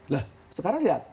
lha sekarang lihat